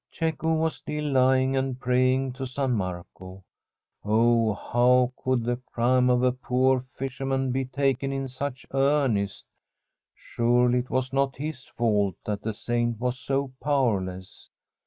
Cecco was still lying and praying to San Marco. Oh, how could the crime of a poor fisherman be taken in such earnest ? Surely it was not his fault that the saint was so powerless